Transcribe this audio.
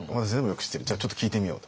じゃあちょっと聞いてみようと。